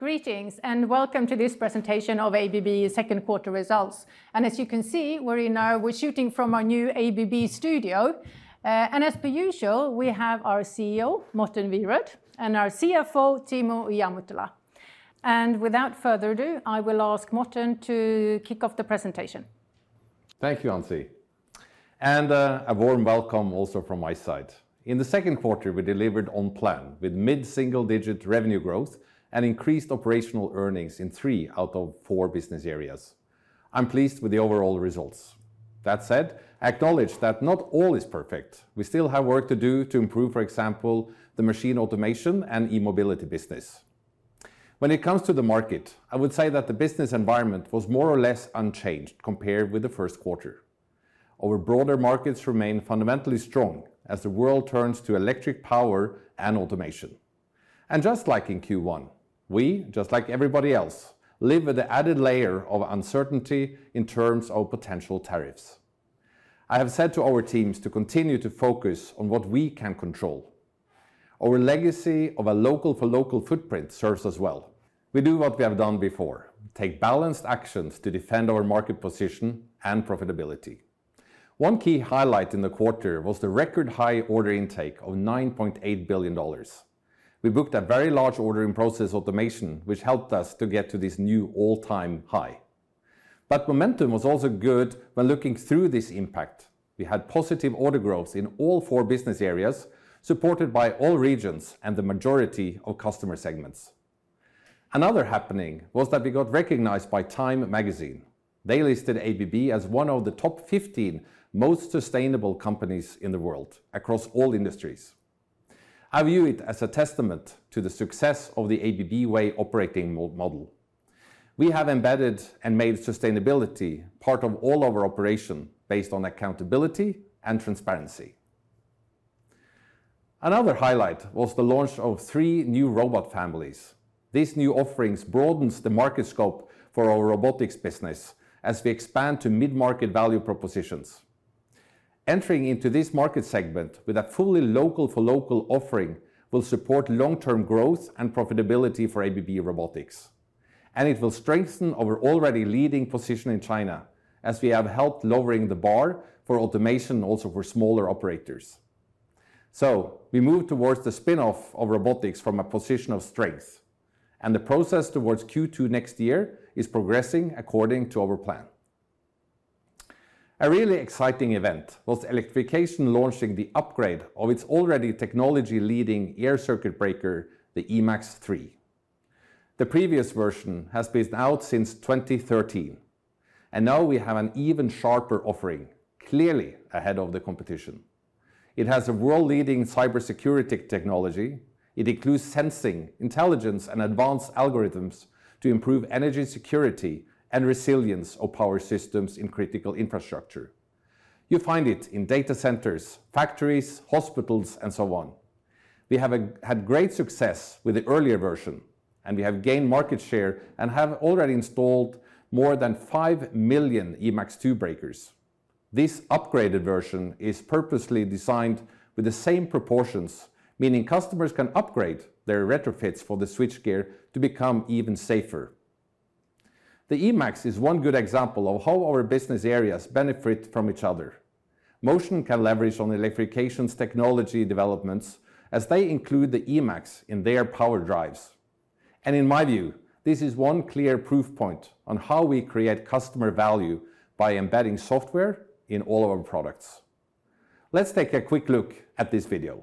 Greetings and welcome to this presentation of ABB's second quarter results. And as you can see, we're in our, we're shooting from our new ABB studio. And as per usual, we have our CEO, Morten Wierod, and our CFO, Timo Ihamuotila. And without further ado, I will ask Morten to kick off the presentation. Thank you, Ann-Sofie, and a warm welcome also from my side. In the second quarter, we delivered on plan with mid-single-digit revenue growth and increased operational earnings in three out of four business areas. I'm pleased with the overall results. That said, I acknowledge that not all is perfect. We still have work to do to improve, for example, the Machine Automation and e-mobility business. When it comes to the market, I would say that the business environment was more or less unchanged compared with the first quarter. Our broader markets remain fundamentally strong as the world turns to electric power and automation, and just like in Q1, we, just like everybody else, live with the added layer of uncertainty in terms of potential tariffs. I have said to our teams to continue to focus on what we can control. Our legacy of a local-for-local footprint serves us well. We do what we have done before: take balanced actions to defend our market position and profitability. One key highlight in the quarter was the record high order intake of $9.8 billion. We booked a very large order in Process Automation, which helped us to get to this new all-time high. But momentum was also good when looking through this impact. We had positive order growth in all four business areas, supported by all regions and the majority of customer segments. Another happening was that we got recognized by Time Magazine. They listed ABB as one of the top 15 most sustainable companies in the world across all industries. I view it as a testament to the success of the ABB Way operating model. We have embedded and made sustainability part of all our operation based on accountability and transparency. Another highlight was the launch of three new robot families. This new offering broadens the market scope for our Robotics business as we expand to mid-market value propositions. Entering into this market segment with a fully local-for-local offering will support long-term growth and profitability for ABB Robotics, and it will strengthen our already leading position in China as we have helped lowering the bar for automation also for smaller operators. So we move towards the spinoff of Robotics from a position of strength, and the process towards Q2 next year is progressing according to our plan. A really exciting event was Electrification launching the upgrade of its already technology-leading air circuit breaker, the Emax 3. The previous version has been out since 2013, and now we have an even sharper offering, clearly ahead of the competition. It has a world-leading cybersecurity technology. It includes sensing, intelligence, and advanced algorithms to improve energy security and resilience of power systems in critical infrastructure. You find it in data centers, factories, hospitals, and so on. We have had great success with the earlier version, and we have gained market share and have already installed more than 5 million Emax 2 breakers. This upgraded version is purposely designed with the same proportions, meaning customers can upgrade their retrofits for the switchgear to become even safer. The Emax is one good example of how our business areas benefit from each other. Motion can leverage on Electrification's technology developments as they include the Emax in their power drives. And in my view, this is one clear proof point on how we create customer value by embedding software in all of our products. Let's take a quick look at this video.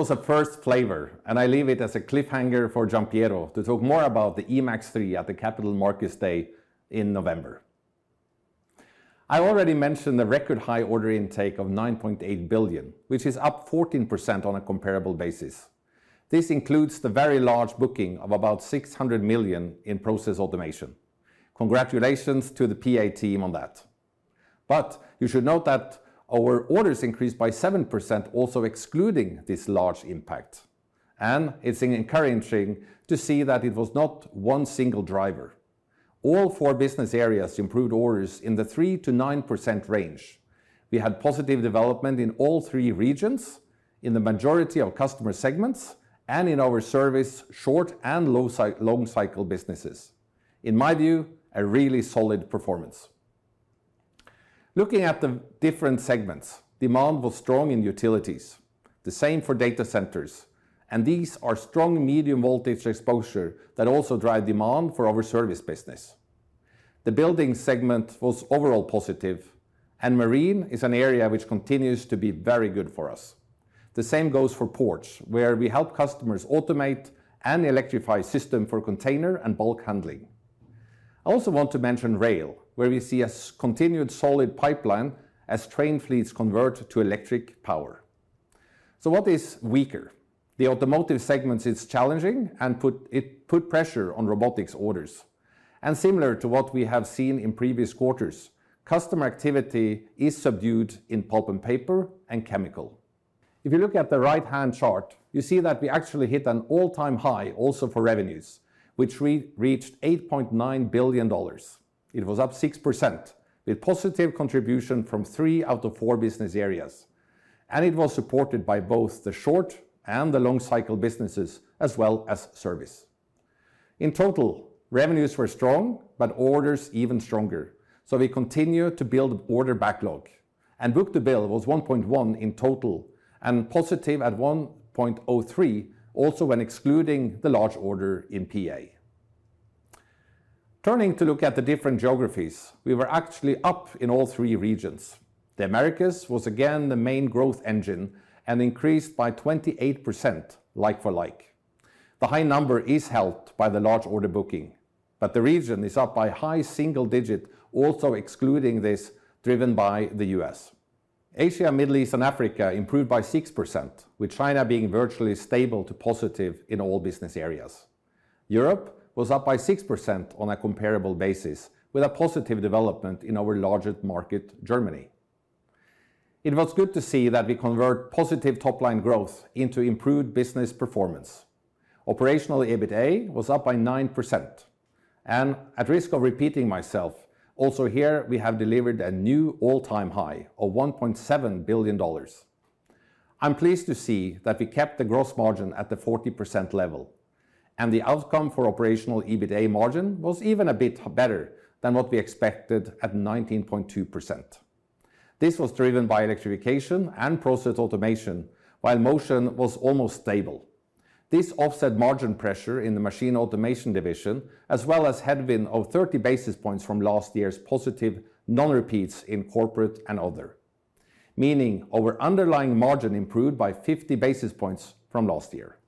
This was a first flavor, and I leave it as a cliffhanger for Giampiero to talk more about the Emax 3 at the Capital Markets Day in November. I already mentioned the record high order intake of $9.8 billion, which is up 14% on a comparable basis. This includes the very large booking of about $600 million in Process Automation. Congratulations to the PA team on that. But you should note that our orders increased by 7%, also excluding this large impact. And it's encouraging to see that it was not one single driver. All four business areas improved orders in the 3%-9% range. We had positive development in all three regions, in the majority of customer segments, and in our service short and long cycle businesses. In my view, a really solid performance. Looking at the different segments, demand was strong in utilities. The same for data centers. And these are strong medium voltage exposures that also drive demand for our service business. The building segment was overall positive. And marine is an area which continues to be very good for us. The same goes for ports, where we help customers automate and electrify systems for container and bulk handling. I also want to mention rail, where we see a continued solid pipeline as train fleets convert to electric power. So what is weaker? The automotive segment is challenging, and it put pressure on Robotics orders. And similar to what we have seen in previous quarters, customer activity is subdued in pulp and paper and chemical. If you look at the right-hand chart, you see that we actually hit an all-time high also for revenues, which reached $8.9 billion. It was up 6%, with positive contribution from three out of four business areas. And it was supported by both the short and the long cycle businesses, as well as service. In total, revenues were strong, but orders even stronger. So we continue to build order backlog. And book-to-bill was 1.1 in total and positive at 1.03, also when excluding the large order in PA. Turning to look at the different geographies, we were actually up in all three regions. The Americas was again the main growth engine and increased by 28% like for like. The high number is held by the large order booking, but the region is up by high-single digit, also excluding this, driven by the U.S. Asia, Middle East, and Africa improved by 6%, with China being virtually stable to positive in all business areas. Europe was up by 6% on a comparable basis, with a positive development in our larger market, Germany. It was good to see that we convert positive top-line growth into improved business performance. Operational EBITDA was up by 9%, and at risk of repeating myself, also here we have delivered a new all-time high of $1.7 billion. I'm pleased to see that we kept the gross margin at the 40% level, and the outcome for operational EBITDA margin was even a bit better than what we expected at 19.2%. This was driven by Electrification and Process Automation, while Motion was almost stable. This offset margin pressure in the Machine Automation division, as well as headwind of 30 basis points from last year's positive non-repeats in corporate and other, meaning our underlying margin improved by 50 basis points from last year.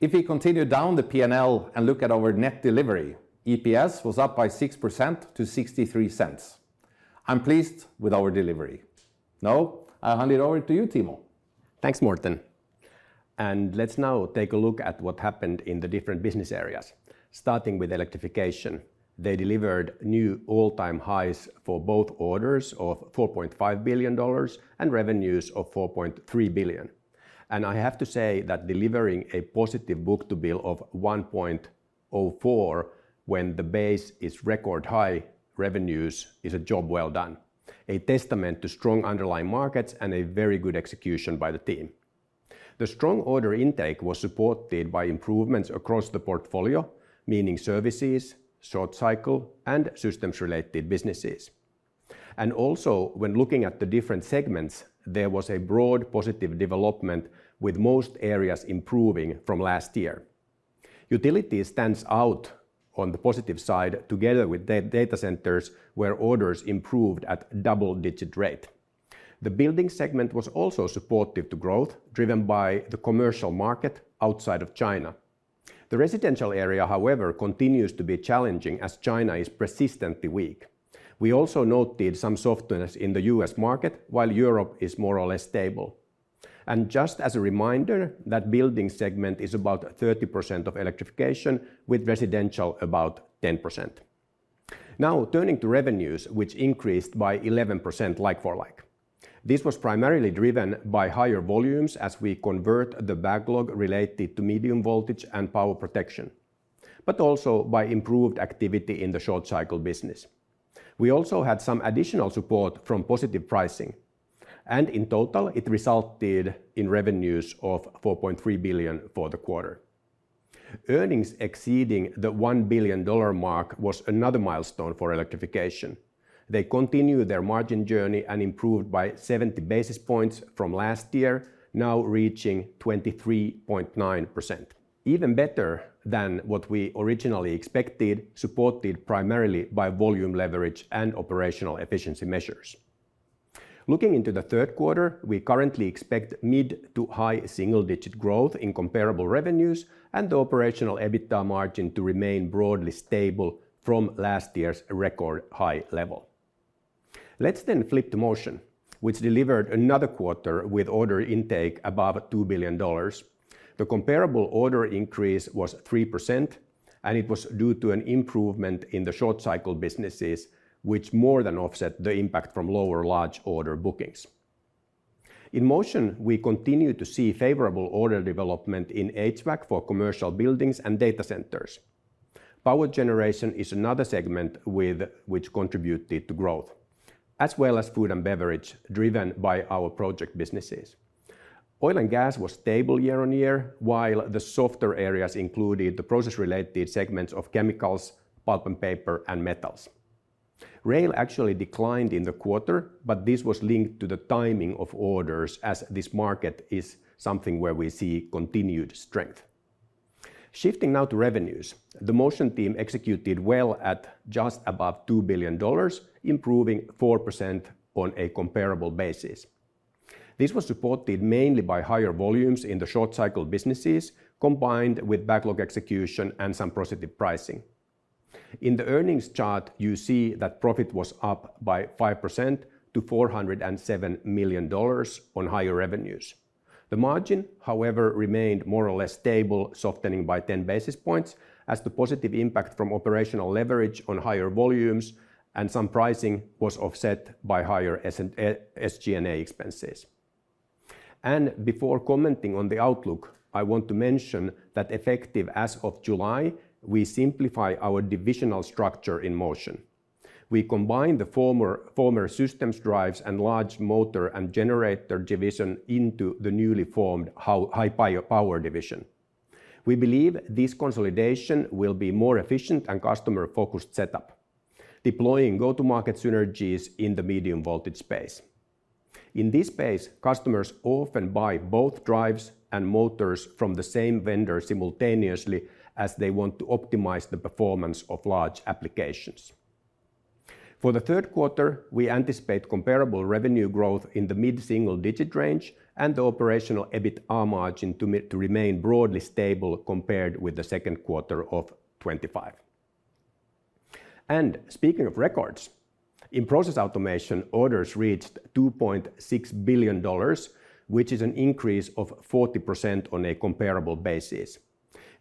If we continue down the P&L and look at our net delivery, EPS was up by 6% to $0.63. I'm pleased with our delivery. Now, I hand it over to you, Timo. Thanks, Morten. And let's now take a look at what happened in the different business areas, starting with Electrification. They delivered new all-time highs for both orders of $4.5 billion and revenues of $4.3 billion. And I have to say that delivering a positive book-to-bill of 1.04 when the base is record high revenues is a job well done, a testament to strong underlying markets and a very good execution by the team. The strong order intake was supported by improvements across the portfolio, meaning services, short cycle, and systems-related businesses. And also, when looking at the different segments, there was a broad positive development with most areas improving from last year. Utilities stands out on the positive side, together with data centers, where orders improved at double-digit rate. The building segment was also supportive to growth, driven by the commercial market outside of China. The residential area, however, continues to be challenging as China is persistently weak. We also noted some softness in the U.S. market, while Europe is more or less stable. And just as a reminder, that building segment is about 30% of Electrification, with residential about 10%. Now, turning to revenues, which increased by 11% like for like. This was primarily driven by higher volumes as we convert the backlog related to medium voltage and power protection, but also by improved activity in the short cycle business. We also had some additional support from positive pricing. And in total, it resulted in revenues of $4.3 billion for the quarter. Earnings exceeding the $1 billion mark was another milestone for Electrification. They continued their margin journey and improved by 70 basis points from last year, now reaching 23.9%. Even better than what we originally expected, supported primarily by volume leverage and operational efficiency measures. Looking into the third quarter, we currently expect mid to high-single-digit growth in comparable revenues and the operational EBITDA margin to remain broadly stable from last year's record high level. Let's then flip to Motion, which delivered another quarter with order intake above $2 billion. The comparable order increase was 3%, and it was due to an improvement in the short cycle businesses, which more than offset the impact from lower large order bookings. In Motion, we continue to see favorable order development in HVAC for commercial buildings and data centers. Power generation is another segment with which contributed to growth, as well as food and beverage, driven by our project businesses. Oil and gas was stable year-on-year, while the softer areas included the process-related segments of chemicals, pulp and paper, and metals. Rail actually declined in the quarter, but this was linked to the timing of orders, as this market is something where we see continued strength. Shifting now to revenues, the Motion team executed well at just above $2 billion, improving 4% on a comparable basis. This was supported mainly by higher volumes in the short cycle businesses, combined with backlog execution and some positive pricing. In the earnings chart, you see that profit was up by 5% to $407 million on higher revenues. The margin, however, remained more or less stable, softening by 10 basis points, as the positive impact from operational leverage on higher volumes and some pricing was offset by higher SG&A expenses. And before commenting on the outlook, I want to mention that effective as of July, we simplify our divisional structure in Motion. We combine the former systems drives and large motor and generator division into the newly formed high-power division. We believe this consolidation will be more efficient and customer-focused setup, deploying go-to-market synergies in the medium voltage space. In this space, customers often buy both drives and motors from the same vendor simultaneously, as they want to optimize the performance of large applications. For the third quarter, we anticipate comparable revenue growth in the mid-single-digit range and the operational EBITDA margin to remain broadly stable compared with the second quarter of 2025. And speaking of records, in Process Automation, orders reached $2.6 billion, which is an increase of 40% on a comparable basis.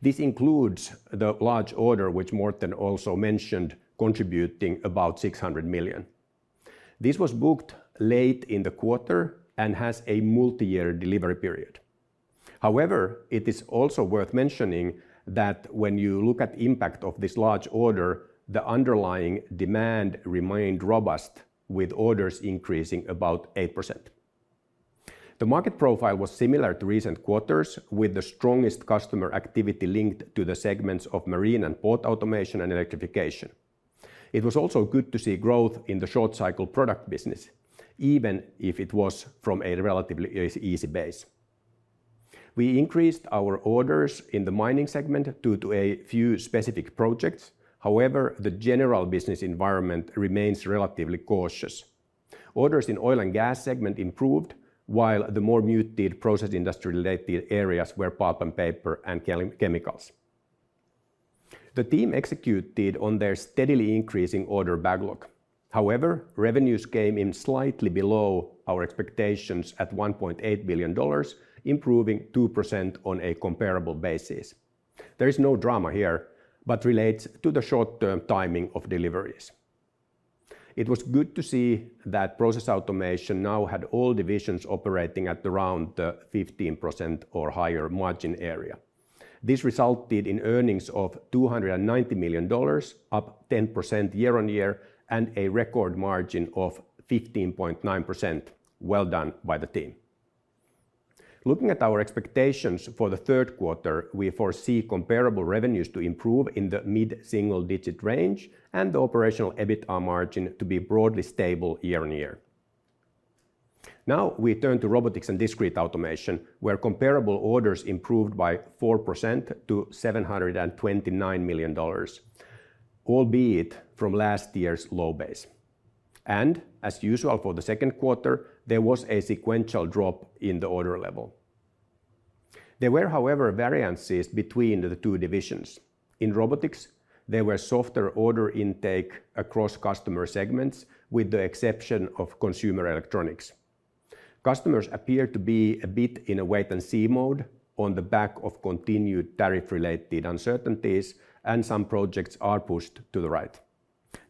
This includes the large order, which Morten also mentioned contributing about $600 million. This was booked late in the quarter and has a multi-year delivery period. However, it is also worth mentioning that when you look at the impact of this large order, the underlying demand remained robust, with orders increasing about 8%. The market profile was similar to recent quarters, with the strongest customer activity linked to the segments of marine and port automation and Electrification. It was also good to see growth in the short cycle product business, even if it was from a relatively easy base. We increased our orders in the mining segment due to a few specific projects. However, the general business environment remains relatively cautious. Orders in oil and gas segment improved, while the more muted process industry-related areas were pulp and paper and chemicals. The team executed on their steadily increasing order backlog. However, revenues came in slightly below our expectations at $1.8 billion, improving 2% on a comparable basis. There is no drama here, but it relates to the short-term timing of deliveries. It was good to see that Process Automation now had all divisions operating at around the 15% or higher margin area. This resulted in earnings of $290 million, up 10% year-on-year, and a record margin of 15.9%. Well done by the team. Looking at our expectations for the third quarter, we foresee comparable revenues to improve in the mid-single-digit range and the operational EBITDA margin to be broadly stable year-on-year. Now we turn to Robotics & Discrete Automation, where comparable orders improved by 4% to $729 million. Albeit from last year's low base. And as usual for the second quarter, there was a sequential drop in the order level. There were, however, variances between the two divisions. In Robotics, there were softer order intake across customer segments, with the exception of consumer electronics. Customers appear to be a bit in a wait-and-see mode on the back of continued tariff-related uncertainties, and some projects are pushed to the right.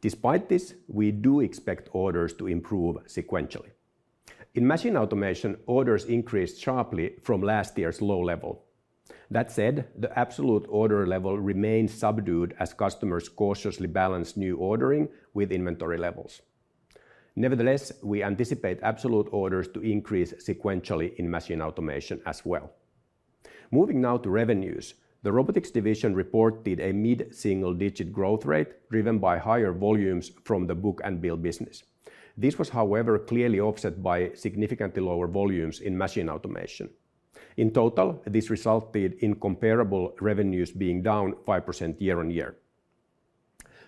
Despite this, we do expect orders to improve sequentially. In Machine Automation, orders increased sharply from last year's low level. That said, the absolute order level remains subdued as customers cautiously balance new ordering with inventory levels. Nevertheless, we anticipate absolute orders to increase sequentially in Machine Automation as well. Moving now to revenues, the Robotics division reported a mid-single-digit growth rate driven by higher volumes from the book-and-bill business. This was, however, clearly offset by significantly lower volumes in Machine Automation. In total, this resulted in comparable revenues being down 5% year-on-year.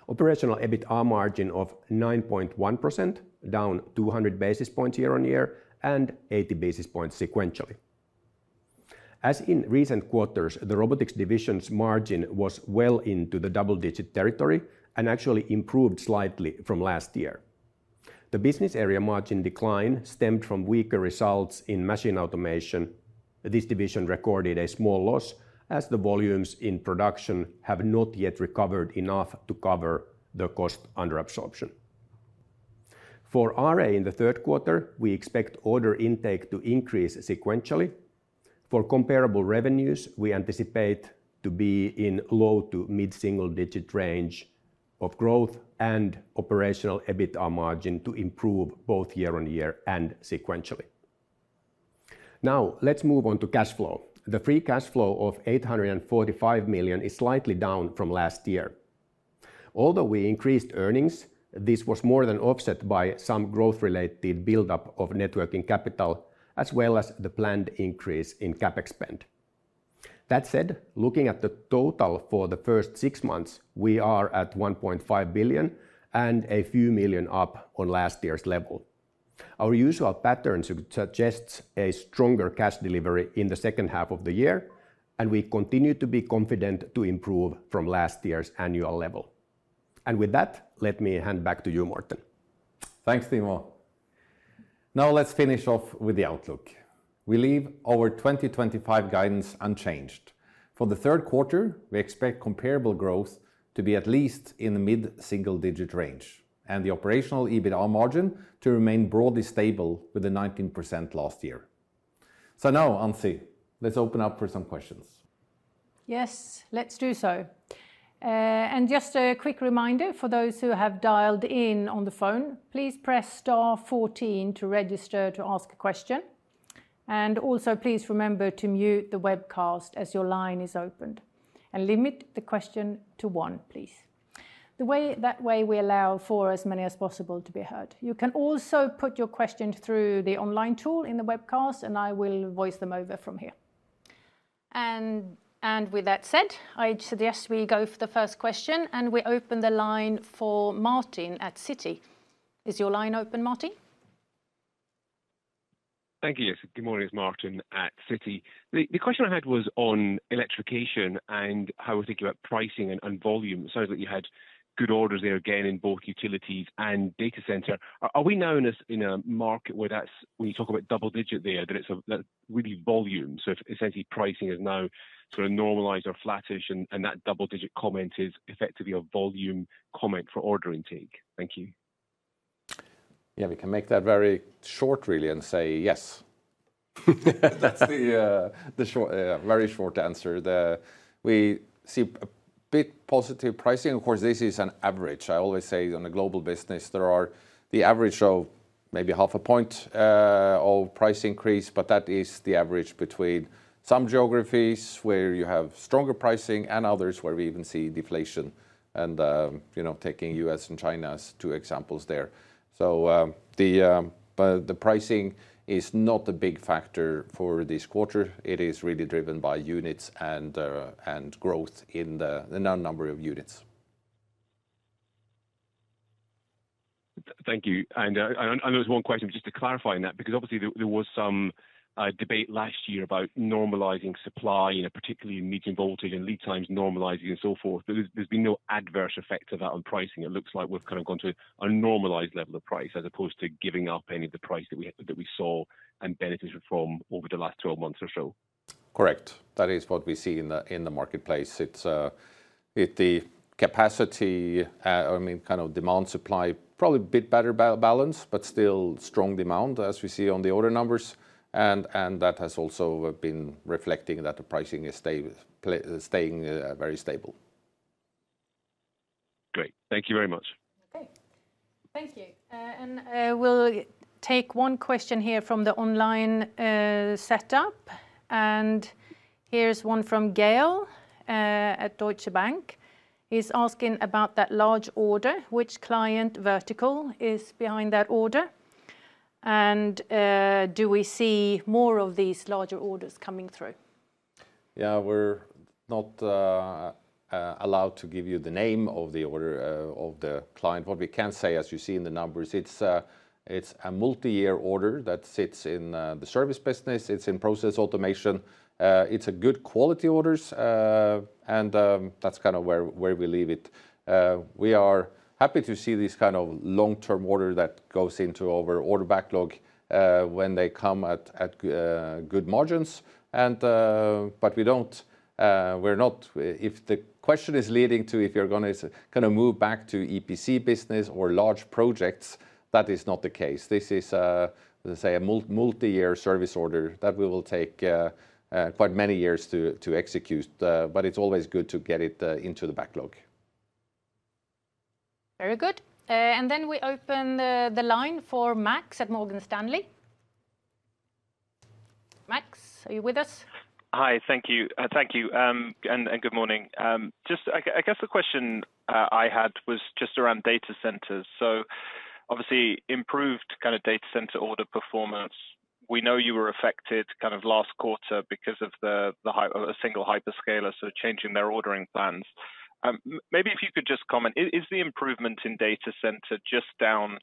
Operational EBITDA margin of 9.1%, down 200 basis points year-on-year and 80 basis points sequentially. As in recent quarters, the Robotics division's margin was well into the double-digit territory and actually improved slightly from last year. The business area margin decline stemmed from weaker results in Machine Automation. This division recorded a small loss, as the volumes in production have not yet recovered enough to cover the cost under absorption. For RA in the third quarter, we expect order intake to increase sequentially. For comparable revenues, we anticipate to be in low to mid-single-digit range of growth and operational EBITDA margin to improve both year-on-year and sequentially. Now let's move on to cash flow. The free cash flow of $845 million is slightly down from last year. Although we increased earnings, this was more than offset by some growth-related buildup of net working capital, as well as the planned increase in CapEx spend. That said, looking at the total for the first six months, we are at $1.5 billion and a few million up on last year's level. Our usual pattern suggests a stronger cash delivery in the second half of the year, and we continue to be confident to improve from last year's annual level, and with that, let me hand back to you, Morten. Thanks, Timo. Now let's finish off with the outlook. We leave our 2025 guidance unchanged. For the third quarter, we expect comparable growth to be at least in the mid-single-digit range and the operational EBITDA margin to remain broadly stable with a 19% last year. So now, Ann-Sofie, let's open up for some questions. Yes, let's do so. And just a quick reminder for those who have dialed in on the phone, please press star 14 to register to ask a question. And also, please remember to mute the webcast as your line is opened and limit the question to one, please. That way, we allow for as many as possible to be heard. You can also put your question through the online tool in the webcast, and I will voice them over from here. And with that said, I suggest we go for the first question, and we open the line for Martin at Citi. Is your line open, Martin? Thank you. Good morning, it's Martin at Citmari. The question I had was on Electrification and how we're thinking about pricing and volume. It sounds like you had good orders there again in both utilities and data center. Are we now in a market where that's, when you talk about double digit there, that it's really volume? So essentially, pricing is now sort of normalized or flattish, and that double digit comment is effectively a volume comment for order intake. Thank you. Yeah, we can make that very short, really, and say yes. That's the short, very short answer. We see a bit positive pricing. Of course, this is an average. I always say on a global business, there are the average of maybe half a point of price increase, but that is the average between some geographies where you have stronger pricing and others where we even see deflation. And taking U.S. and China as two examples there. So. The pricing is not a big factor for this quarter. It is really driven by units and growth in the number of units. Thank you. And there was one question just to clarify on that, because obviously there was some debate last year about normalizing supply, particularly in medium voltage and lead times, normalizing and so forth. But there's been no adverse effect of that on pricing. It looks like we've kind of gone to a normalized level of price as opposed to giving up any of the price that we saw and benefited from over the last 12 months or so. Correct. That is what we see in the marketplace. The capacity, I mean, kind of demand-supply, probably a bit better balance, but still strong demand, as we see on the order numbers. And that has also been reflecting that the pricing is staying very stable. Great. Thank you very much. Okay. Thank you. And we'll take one question here from the online setup. And here's one from Gael at Deutsche Bank. He's asking about that large order. Which client vertical is behind that order? And do we see more of these larger orders coming through? Yeah, we're not allowed to give you the name of the order of the client. What we can say, as you see in the numbers, it's a multi-year order that sits in the service business. It's in process automation. It's good quality orders. And that's kind of where we leave it. We are happy to see this kind of long-term order that goes into our order backlog when they come at good margins. But we're not, if the question is leading to if you're going to kind of move back to EPC business or large projects, that is not the case. This is a multi-year service order that we will take quite many years to execute. But it's always good to get it into the backlog. Very good. And then we open the line for Max at Morgan Stanley. Max, are you with us? Hi, thank you. Thank you. And good morning. Just, I guess the question I had was just around data centers. So obviously, improved kind of data center order performance. We know you were affected kind of last quarter because of the single hyperscalers sort of changing their ordering plans. Maybe if you could just comment, is the improvement in data center just down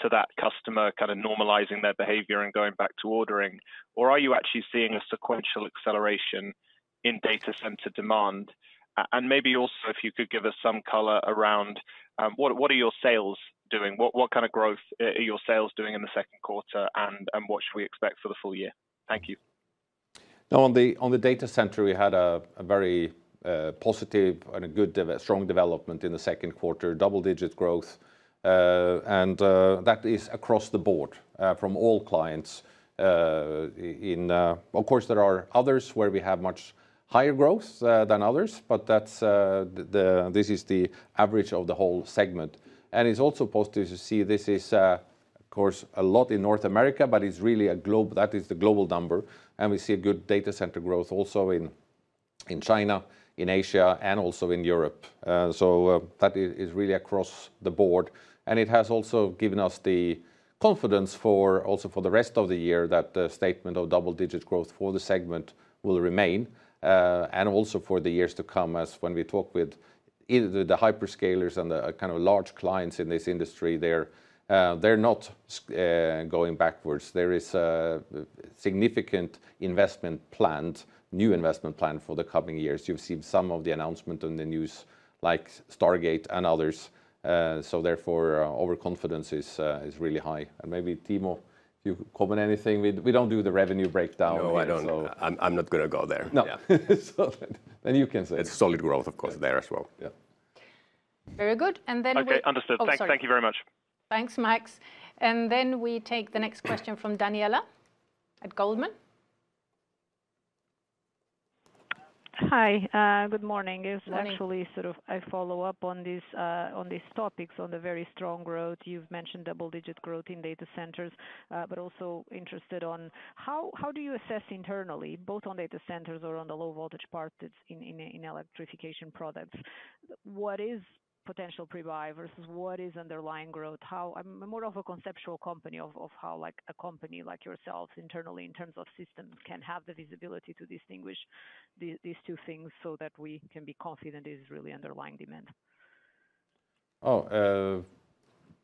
to that customer kind of normalizing their behavior and going back to ordering, or are you actually seeing a sequential acceleration in data center demand? And maybe also, if you could give us some color around what are your sales doing? What kind of growth are your sales doing in the second quarter, and what should we expect for the full year? Thank you. Now, on the data center, we had a very positive and a good strong development in the second quarter, double-digit growth. And that is across the board from all clients. Of course, there are others where we have much higher growth than others, but. This is the average of the whole segment. And it's also positive to see this is, of course, a lot in North America, but it's really a global, that is the global number. And we see a good data center growth also in China, in Asia, and also in Europe. So that is really across the board. And it has also given us the confidence for also for the rest of the year that the statement of double-digit growth for the segment will remain. And also for the years to come, as when we talk with either the hyperscalers and the kind of large clients in this industry, they're not going backwards. There is significant investment planned, new investment planned for the coming years. You've seen some of the announcements in the news, like Stargate and others. So therefore, our confidence is really high. And maybe, Timo, you comment anything? We don't do the revenue breakdown. No, I don't. I'm not going to go there. No. Then you can say. It's solid growth, of course, there as well. Very good. Okay, understood. Thank you very much. Thanks, Max, and then we take the next question from Daniela at Goldman. Hi, good morning. It's actually sort of a follow-up on these topics, on the very strong growth. You've mentioned double-digit growth in data centers, but also interested on how do you assess internally, both on data centers or on the low-voltage parts in electrification products? What is potential prebuy versus what is underlying growth? I'm more of a conceptual company of how a company like yourself internally, in terms of systems, can have the visibility to distinguish these two things so that we can be confident this is really underlying demand. Oh.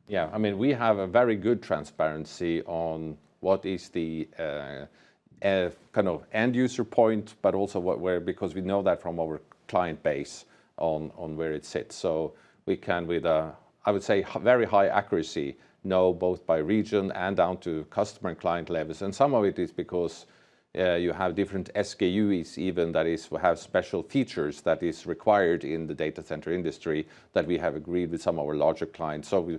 Yeah, I mean, we have a very good transparency on what is the kind of end user point, but also because we know that from our client base on where it sits. So we can, with a, I would say, very high accuracy, know both by region and down to customer and client levels. And some of it is because you have different SKUs even that have special features that are required in the data center industry that we have agreed with some of our larger clients. So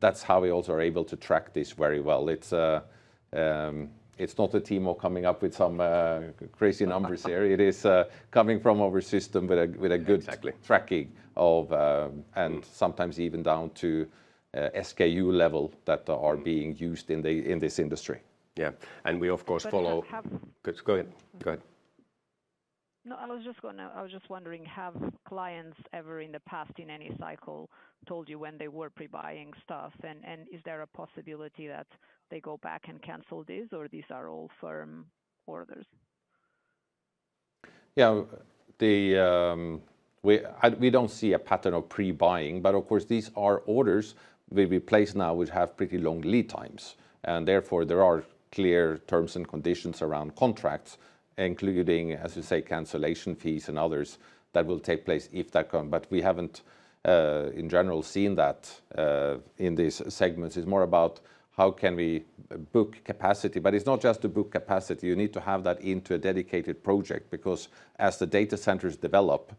that's how we also are able to track this very well. It's not a Timo coming up with some crazy numbers here. It is coming from our system with a good tracking of, and sometimes even down to SKU level that are being used in this industry. Yeah, and we, of course, follow. Sorry, go ahead. Go ahead. No, I was just going to, I was just wondering, have clients ever in the past, in any cycle, told you when they were prebuying stuff? And is there a possibility that they go back and cancel this, or these are all firm orders? Yeah. We don't see a pattern of prebuying, but of course, these are orders where we place now, which have pretty long lead times. And therefore, there are clear terms and conditions around contracts, including, as you say, cancellation fees and others that will take place if that comes. But we haven't, in general, seen that in these segments. It's more about how can we book capacity. But it's not just to book capacity. You need to have that into a dedicated project because as the data centers develop.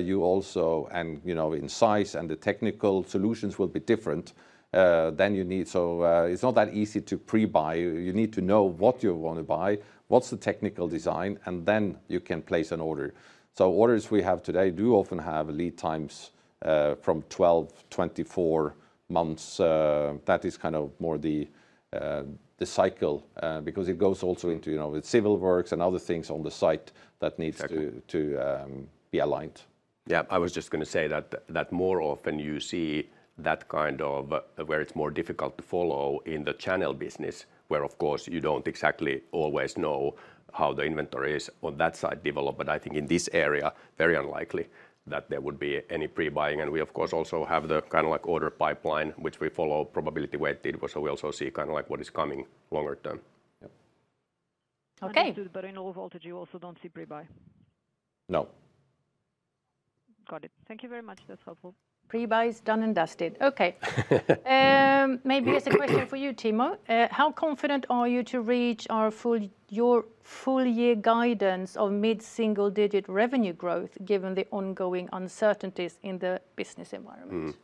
You also, and in size and the technical solutions will be different. Then you need, so it's not that easy to prebuy. You need to know what you want to buy, what's the technical design, and then you can place an order. So orders we have today do often have lead times from 12, -24 months. That is kind of more the cycle because it goes also into civil works and other things on the site that needs to be aligned. Yeah, I was just going to say that more often you see that kind of where it's more difficult to follow in the channel business, where, of course, you don't exactly always know how the inventory is on that side developed. But I think in this area, very unlikely that there would be any prebuying. And we, of course, also have the kind of order pipeline, which we follow probability weighted. So we also see kind of what is coming longer term. Okay. But in low voltage, you also don't see prebuy? No. Got it. Thank you very much. That's helpful. Prebuys done and dusted. Okay. Maybe it's a question for you, Timo. How confident are you to reach your full year guidance of mid-single-digit revenue growth, given the ongoing uncertainties in the business environment?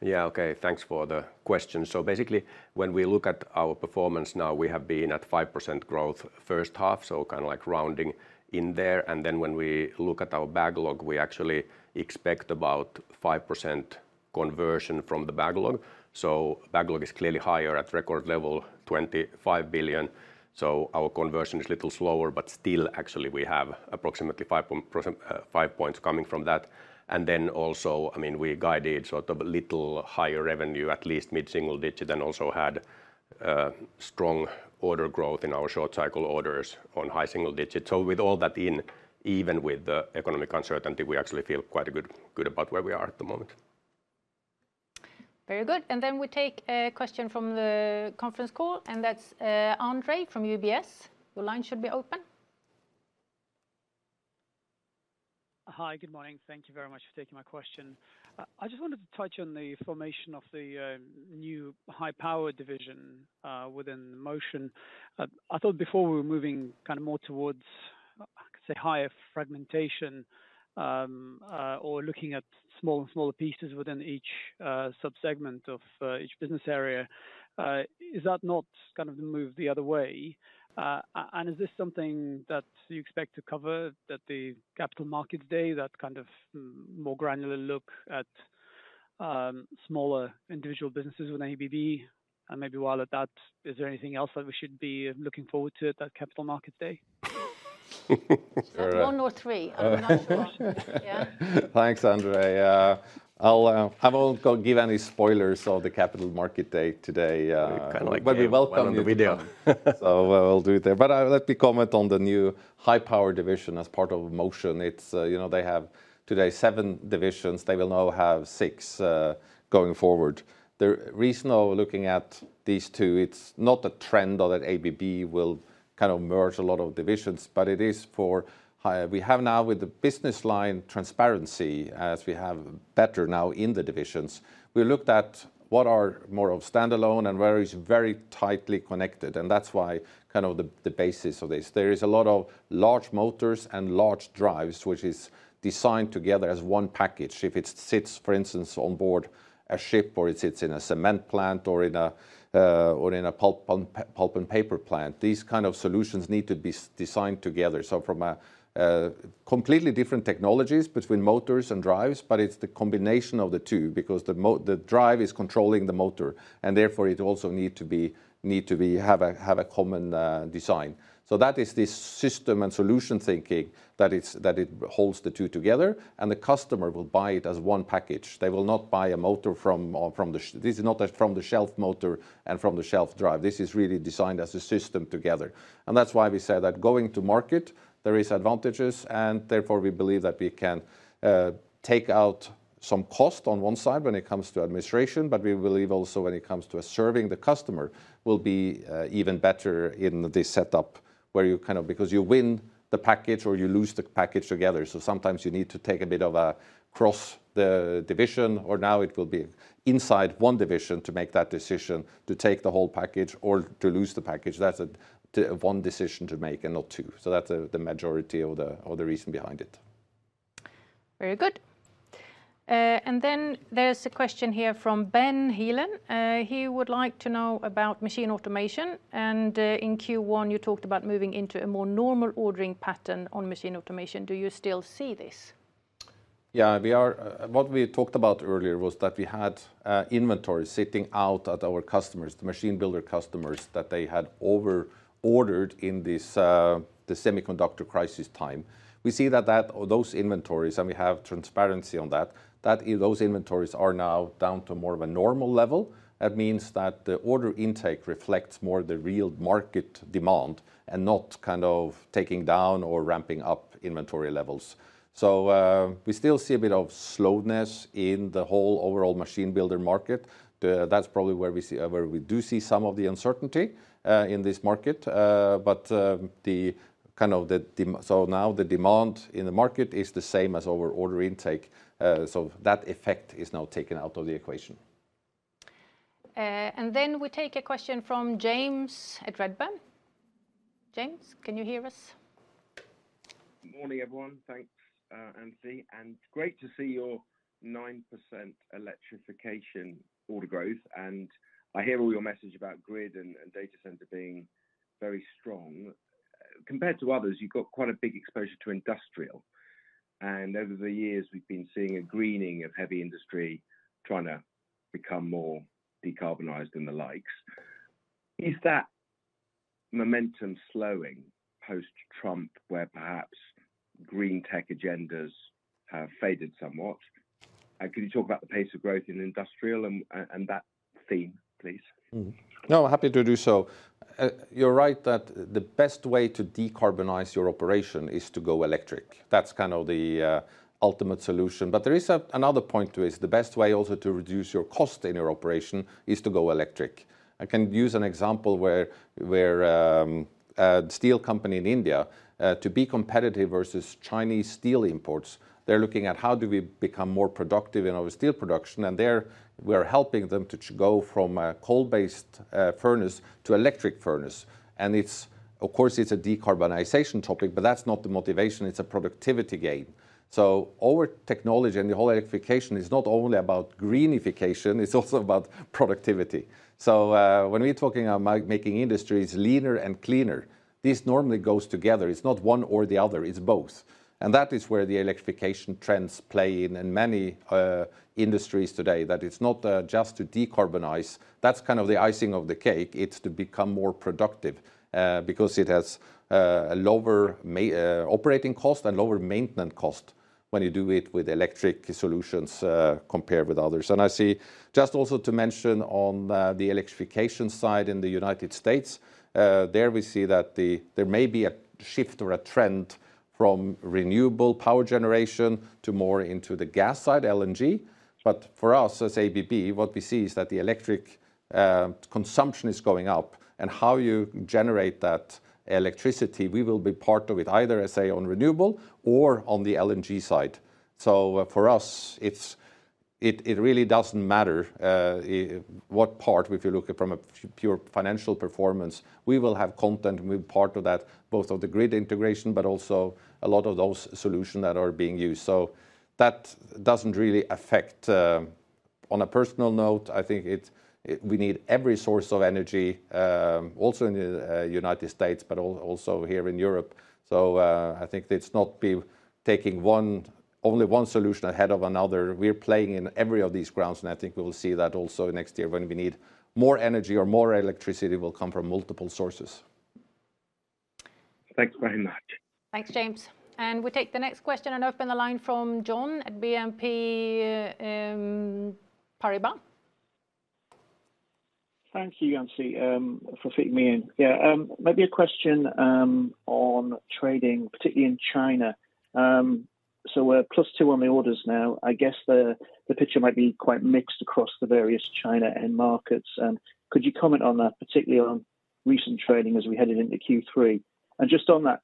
Yeah, okay. Thanks for the question. So basically, when we look at our performance now, we have been at 5% growth first half, so kind of rounding in there. And then when we look at our backlog, we actually expect about 5% conversion from the backlog. So backlog is clearly higher at record level, $25 billion. So our conversion is a little slower, but still, actually, we have approximately 5.5 points coming from that. And then also, I mean, we guided sort of a little higher revenue, at least mid-single digit, and also had strong order growth in our short cycle orders on high single digit. So with all that in, even with the economic uncertainty, we actually feel quite good about where we are at the moment. Very good. And then we take a question from the conference call, and that's Andrei from UBS. Your line should be open. Hi, good morning. Thank you very much for taking my question. I just wanted to touch on the formation of the new high power division within Motion. I thought before we were moving kind of more towards, I could say, higher fragmentation. Or looking at smaller and smaller pieces within each subsegment of each business area. Is that not kind of the move the other way? And is this something that you expect to cover at the Capital Markets Day, that kind of more granular look at smaller individual businesses with ABB? And maybe while at that, is there anything else that we should be looking forward to at that Capital Markets Day? One or three. I'm not sure. Thanks, Andrei. I won't give any spoilers of the Capital Market Day today. Kind of like what we welcome in the video. So we'll do it there. But let me comment on the new high power division as part of Motion. They have today seven divisions. They will now have six going forward. The reason of looking at these two, it's not a trend that ABB will kind of merge a lot of divisions, but it is for. We have now with the business line transparency, as we have better now in the divisions, we looked at what are more of standalone and where it's very tightly connected. And that's why kind of the basis of this. There is a lot of large motors and large drives, which is designed together as one package. If it sits, for instance, on board a ship, or it sits in a cement plant or in a pulp and paper plant, these kind of solutions need to be designed together. So from completely different technologies between motors and drives, but it's the combination of the two because the drive is controlling the motor and therefore, it also needs to have a common design. So that is this system and solution thinking that it holds the two together and the customer will buy it as one package. They will not buy a motor from the, this is not from the shelf motor and from the shelf drive. This is really designed as a system together. And that's why we said that going to market, there are advantages and therefore, we believe that we can take out some cost on one side when it comes to administration, but we believe also when it comes to serving the customer will be even better in this setup where you kind of, because you win the package or you lose the package together. So sometimes you need to take a bit of a cross division, or now it will be inside one division to make that decision to take the whole package or to lose the package. That's one decision to make and not two. So that's the majority of the reason behind it. Very good. And then there's a question here from Ben Heelan. He would like to know about Machine Automation. And in Q1, you talked about moving into a more normal ordering pattern on Machine Automation. Do you still see this? Yeah, what we talked about earlier was that we had inventory sitting out at our customers, the machine builder customers that they had over-ordered in the semiconductor crisis time. We see that those inventories, and we have transparency on that, that those inventories are now down to more of a normal level. That means that the order intake reflects more the real market demand and not kind of taking down or ramping up inventory levels. So we still see a bit of slowness in the whole overall machine builder market. That's probably where we do see some of the uncertainty in this market. But the kind of. So now the demand in the market is the same as our order intake. So that effect is now taken out of the equation. And then we take a question from James at Redburn. James, can you hear us? Good morning, everyone. Thanks, Ann-Sofie. And great to see your 9% electrification order growth. And I hear all your message about grid and data center being very strong. Compared to others, you've got quite a big exposure to industrial. And over the years, we've been seeing a greening of heavy industry trying to become more decarbonized and the likes. Is that momentum slowing post-Trump where perhaps green tech agendas have faded somewhat? Could you talk about the pace of growth in industrial and that theme, please? No, happy to do so. You're right that the best way to decarbonize your operation is to go electric. That's kind of the ultimate solution. But there is another point to it. The best way also to reduce your cost in your operation is to go electric. I can use an example where a steel company in India, to be competitive versus Chinese steel imports, they're looking at how do we become more productive in our steel production and we're helping them to go from a coal-based furnace to electric furnace. And of course, it's a decarbonization topic, but that's not the motivation. It's a productivity gain. So our technology and the whole electrification is not only about greenification, it's also about productivity. So when we're talking about making industries leaner and cleaner, this normally goes together. It's not one or the other. It's both. And that is where the electrification trends play in many industries today, that it's not just to decarbonize. That's kind of the icing of the cake. It's to become more productive because it has lower operating cost and lower maintenance cost when you do it with electric solutions compared with others. And I see just also to mention on the electrification side in the United States, there we see that there may be a shift or a trend from renewable power generation to more into the gas side, LNG. But for us as ABB, what we see is that the electricity consumption is going up. And how you generate that electricity, we will be part of it either, say, on renewable or on the LNG side. So for us, it really doesn't matter. What part, if you look at from a pure financial performance, we will have content and we'll be part of that, both of the grid integration, but also a lot of those solutions that are being used. So that doesn't really affect. On a personal note, I think we need every source of energy. Also in the United States, but also here in Europe. So I think it's not taking only one solution ahead of another. We're playing in every of these grounds, and I think we will see that also next year when we need more energy or more electricity will come from multiple sources. Thanks very much. Thanks, James. And we take the next question and open the line from Jon at BNP Paribas. Thank you, Ann-Sofie, for feeding me in. Yeah, maybe a question. On trading, particularly in China. So we're plus two on the orders now. I guess the picture might be quite mixed across the various China end markets. And could you comment on that, particularly on recent trading as we headed into Q3? And just on that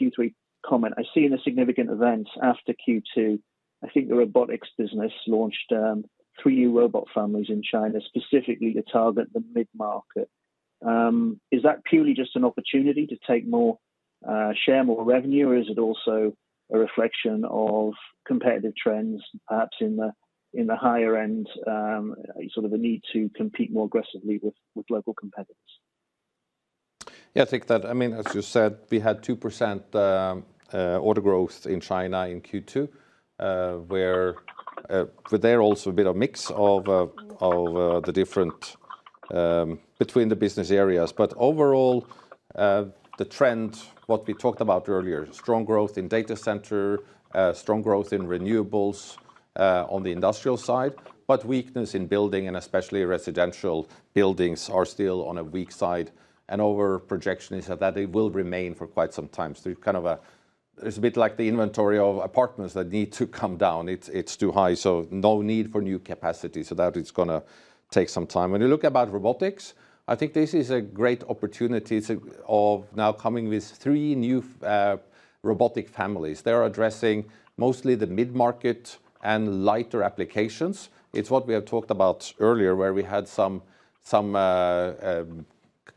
Q3 comment, I see a significant event after Q2. I think the Robotics business launched three new robot families in China, specifically to target the mid-market. Is that purely just an opportunity to take more, share more revenue, or is it also a reflection of competitive trends, perhaps in the higher end? Sort of a need to compete more aggressively with local competitors? Yeah, I think that, I mean, as you said, we had 2% order growth in China in Q2 where there was also a bit of a mix of the different, between the business areas. But overall the trend, what we talked about earlier, strong growth in data center, strong growth in renewables on the industrial side, but weakness in building and especially residential buildings are still on a weak side. Our projection is that they will remain for quite some time. Kind of a, it's a bit like the inventory of apartments that need to come down. It's too high. No need for new capacity. That it's going to take some time. When you look at Robotics, I think this is a great opportunity of now coming with three new robotic families. They're addressing mostly the mid-market and lighter applications. It's what we have talked about earlier where we had some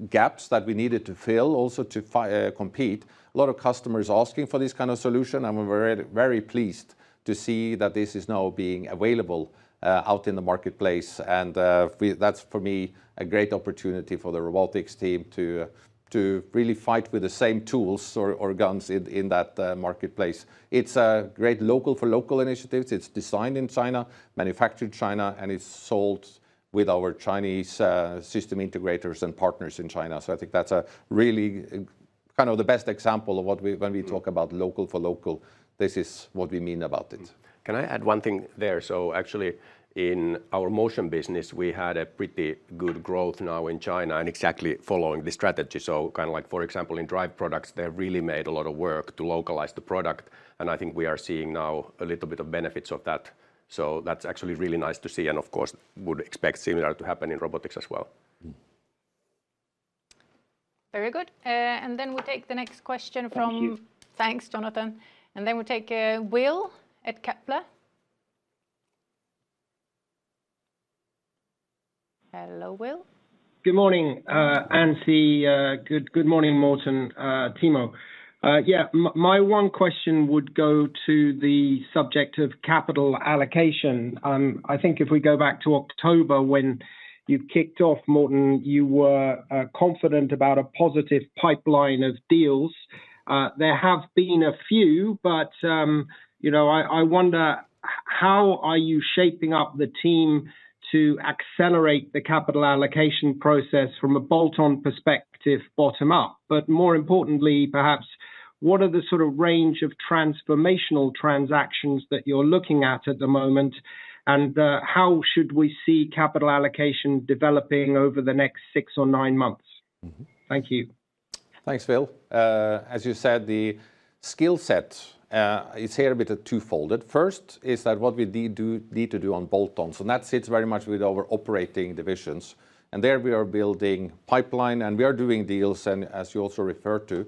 gaps that we needed to fill, also to compete. A lot of customers asking for this kind of solution. We're very pleased to see that this is now being available out in the marketplace. That's for me, a great opportunity for the Robotics team to really fight with the same tools or guns in that marketplace. It's a great local for local initiatives, it's designed in China, manufactured in China, and it's sold with our Chinese system integrators and partners in China. I think that's a really kind of the best example of when we talk about local for local, this is what we mean about it. Can I add one thing there? So actually, in our Motion business, we had a pretty good growth now in China and exactly following the strategy. So kind of like, for example, in drive products, they have really made a lot of work to localize the product. And I think we are seeing now a little bit of benefits of that. So that's actually really nice to see. And of course, would expect similar to happen in Robotics as well. Very good. And then we take the next question from, thanks, Jonathan. And then we take Will at Kepler. Hello, Will. Good morning, Anthony. Good morning, Morten, Timo. Yeah, my one question would go to the subject of capital allocation. I think if we go back to October when you kicked off, Morten, you were confident about a positive pipeline of deals. There have been a few, but I wonder how are you shaping up the team to accelerate the capital allocation process from a bolt-on perspective bottom up? But more importantly, perhaps what are the sort of range of transformational transactions that you're looking at at the moment? And how should we see capital allocation developing over the next six or nine months? Thank you. Thanks, Will. As you said, the skill set is here a bit twofold. First, is that what we need to do on bolt-ons. That sits very much with our operating divisions and there we are building pipeline and we are doing deals and as you also referred to,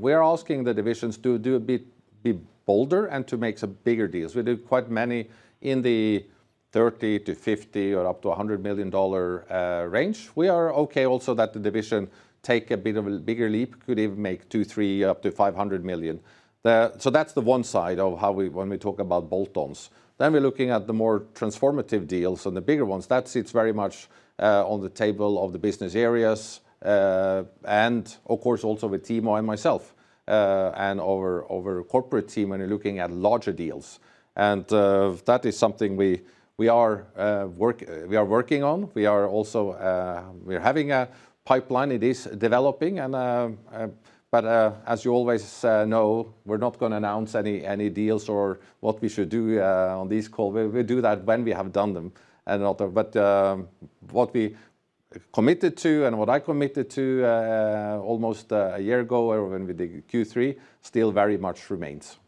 we are asking the divisions to be a bit bolder and to make some bigger deals. We did quite many in the $30 million-$50 million or up to $100 million range. We are okay also that the divisions take a bit of a bigger leap, could even make two, three, up to $500 million. So that's the one side of how we, when we talk about bolt-ons. Then we're looking at the more transformative deals and the bigger ones. That sits very much on the table of the business areas. And of course, also with Timo and myself. And our corporate team when you're looking at larger deals. And that is something we are working on. We are also having a pipeline. It is developing. But as you always know, we're not going to announce any deals or what we should do on these calls. We do that when we have done them. But what we committed to and what I committed to almost a year ago when we did Q3 still very much remains.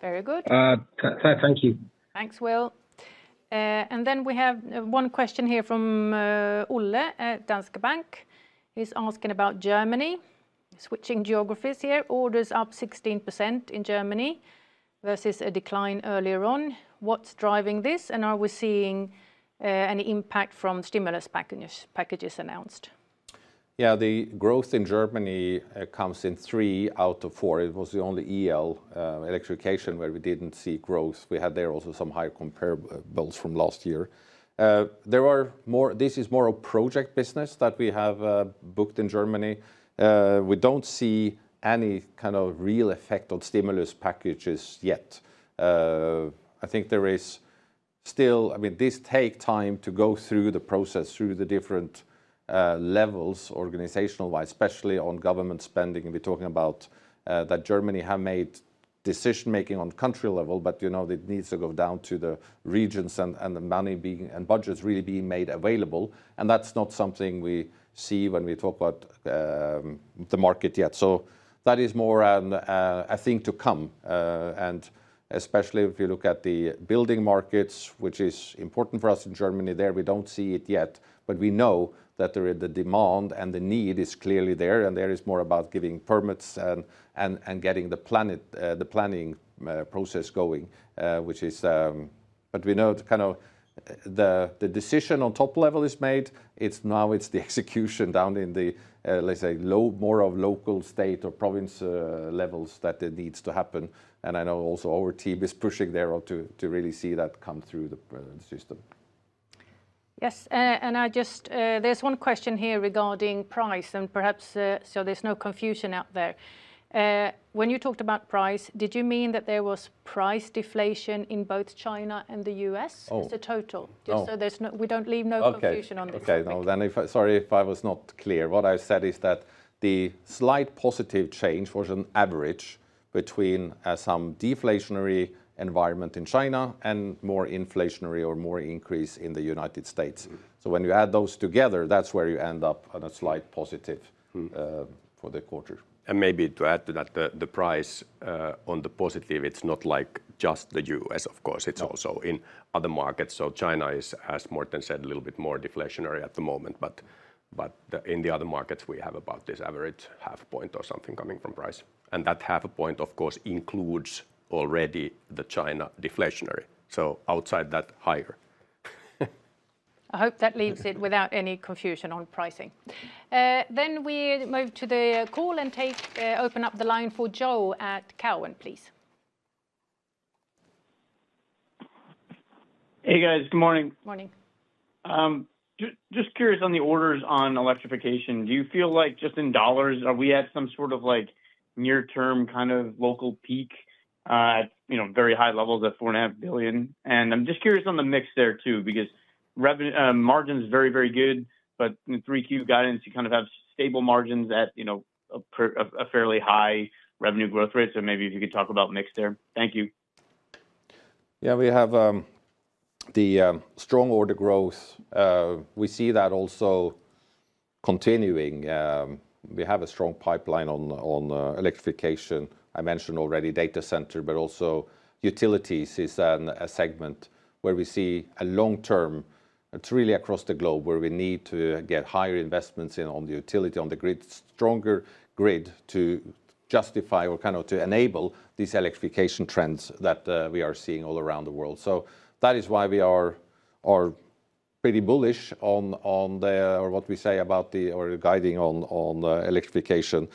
Very good. Thank you. Thanks, Will. And then we have one question here from Olof at Danske Bank. He's asking about Germany. Switching geographies here. Orders up 16% in Germany versus a decline earlier on. What's driving this? And are we seeing any impact from stimulus packages announced? Yeah, the growth in Germany comes in three out of four. It was the only Electrification where we didn't see growth. We had there also some higher comparables from last year. This is more a project business that we have booked in Germany. We don't see any kind of real effect on stimulus packages yet. I think there is still, I mean, this takes time to go through the process, through the different levels organizational-wise, especially on government spending. We're talking about that Germany has made decision-making on country level, but you know it needs to go down to the regions and the money being and budgets really being made available. And that's not something we see when we talk about the market yet. So that is more a thing to come. And especially if you look at the building markets, which is important for us in Germany, there we don't see it yet, but we know that the demand and the need is clearly there. And there is more about giving permits and getting the planning process going, which is, but we know kind of the decision on top level is made. Now it's the execution down in the, let's say, more of local state or province levels that it needs to happen. And I know also our team is pushing there to really see that come through the system. Yes. And there's one question here regarding price. And perhaps so there's no confusion out there. When you talked about price, did you mean that there was price deflation in both China and the U.S.? Oh. It's a total. Oh. So we don't leave no confusion on this. Okay. Sorry if I was not clear. What I said is that the slight positive change was an average between some deflationary environment in China and more inflationary or more increase in the United States. So when you add those together, that's where you end up on a slight positive. For the quarter. And maybe to add to that, the price on the positive, it's not like just the U.S., of course. It's also in other markets. So China is, as Morten said, a little bit more deflationary at the moment. But in the other markets, we have about this average half a point or something coming from price. And that half a point, of course, includes already the China deflationary. So outside that, higher. I hope that leaves it without any confusion on pricing. Then we move to the call and then open up the line for Joe at Cowen, please. Hey guys, good morning. Morning. Just curious on the orders on Electrification. Do you feel like just in dollars, are we at some sort of near-term kind of local peak at very high levels at $4.5 billion? And I'm just curious on the mix there too, because margin is very, very good, but in the Q3 guidance, you kind of have stable margins at a fairly high revenue growth rate. So maybe if you could talk about mix there. Thank you. Yeah, we have the strong order growth. We see that also continuing. We have a strong pipeline on Electrification. I mentioned already data center, but also utilities is a segment where we see a long term. It's really across the globe where we need to get higher investments in on the utility, on the grid, stronger grid to justify or kind of to enable these Electrification trends that we are seeing all around the world. So that is why we are pretty bullish on what we say about the guidance on Electrification.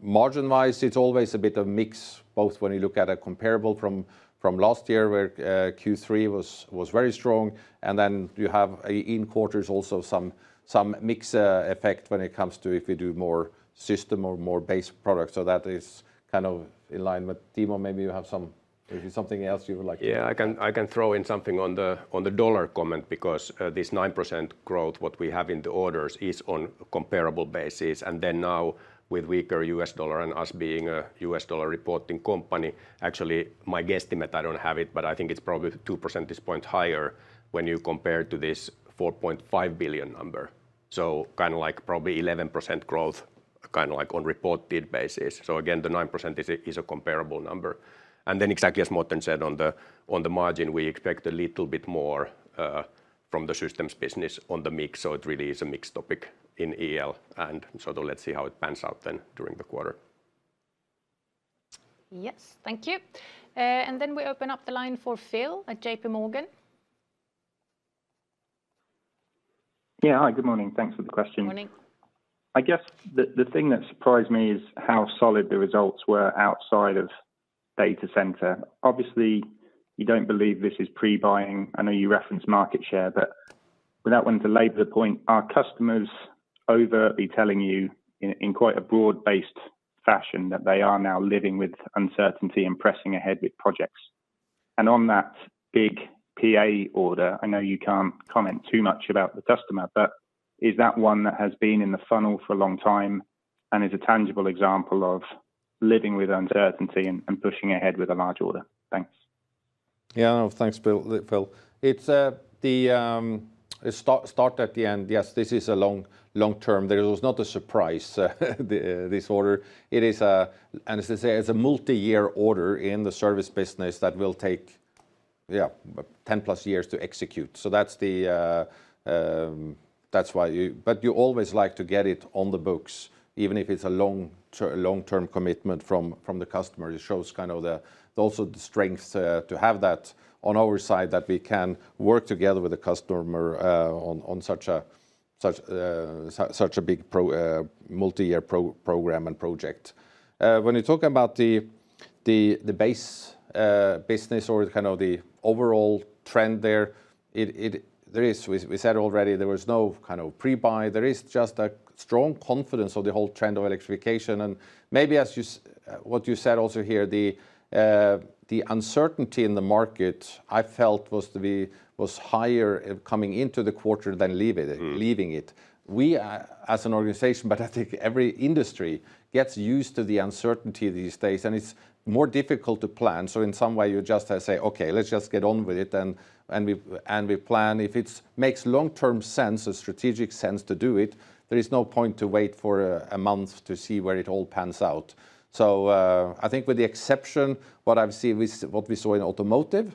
Margin-wise, it's always a bit of a mix, both when you look at a comparable from last year where Q3 was very strong. And then you have in quarters also some mixed effect when it comes to if we do more system or more base products. So that is kind of in line with Timo. Maybe you have something else you would like to. Yeah, I can throw in something on the dollar comment because this 9% growth, what we have in the orders is on a comparable basis. And then now with weaker U.S. dollar and us being a U.S. dollar reporting company, actually my guesstimate, I don't have it, but I think it's probably 2% this point higher when you compare to this $4.5 billion number. So kind of like probably 11% growth kind of like on reported basis. So again, the 9% is a comparable number. And then exactly as Morten said on the margin, we expect a little bit more from the systems business on the mix. So it really is a mixed topic in EL. And so let's see how it pans out then during the quarter. Yes, thank you, and then we open up the line for Phil at JPMorgan. Yeah, hi, good morning. Thanks for the question. Good morning. I guess the thing that surprised me is how solid the results were outside of data center. Obviously, you don't believe this is pre-buying. I know you referenced market share, but without wanting to label the point, our customers overtly telling you in quite a broad-based fashion that they are now living with uncertainty and pressing ahead with projects. And on that big PA order, I know you can't comment too much about the customer, but is that one that has been in the funnel for a long time and is a tangible example of living with uncertainty and pushing ahead with a large order? Thanks. Yeah, thanks, Phil. It's, start at the end. Yes, this is a long-term. There was no surprise. This order. It is, as I say, it's a multi-year order in the service business that will take yeah, 10+ years to execute. So that's why, but you always like to get it on the books, even if it's a long-term commitment from the customer. It shows kind of also the strength to have that on our side that we can work together with the customer on such a big multi-year program and project. When you're talking about the base business or kind of the overall trend there. There is, we said already, there was no kind of pre-buy. There is just a strong confidence of the whole trend of Electrification. And maybe as you what you said also here, the uncertainty in the market I felt was higher coming into the quarter than leaving it. We as an organization, but I think every industry gets used to the uncertainty these days. And it's more difficult to plan. So in some way, you just say, okay, let's just get on with it and we plan. If it makes long-term sense, a strategic sense to do it, there is no point to wait for a month to see where it all pans out. So I think with the exception, what I've seen, what we saw in automotive,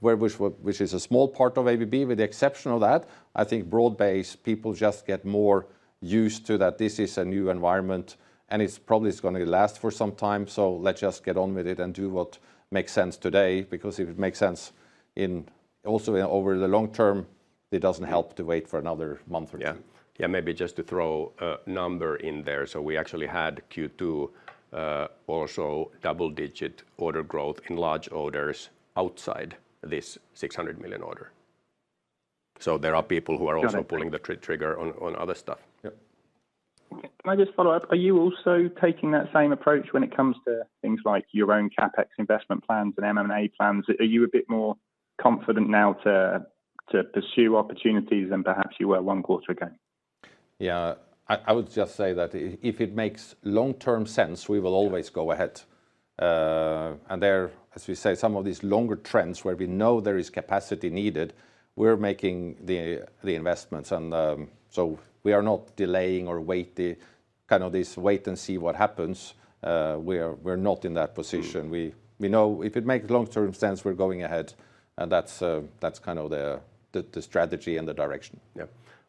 which is a small part of ABB, with the exception of that, I think broad-based people just get more used to that this is a new environment and it's probably going to last for some time. So let's just get on with it and do what makes sense today because if it makes sense in also over the long term, it doesn't help to wait for another month or two. Yeah, maybe just to throw a number in there. So we actually had Q2 also double-digit order growth in large orders outside this $600 million order. So there are people who are also pulling the trigger on other stuff. Yeah. Can I just follow up? Are you also taking that same approach when it comes to things like your own CapEx investment plans and M&A plans? Are you a bit more confident now to pursue opportunities than perhaps you were one quarter ago? Yeah, I would just say that if it makes long-term sense, we will always go ahead. And there, as we say, some of these longer trends where we know there is capacity needed, we're making the investments. And so we are not delaying or waiting, kind of this wait and see what happens. We're not in that position. We know if it makes long-term sense, we're going ahead. And that's kind of the strategy and the direction.